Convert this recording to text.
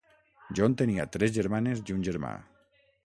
John tenia tres germanes i un germà.